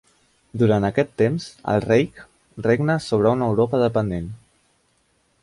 Durant aquest temps, el Reich regna sobre una Europa depenent.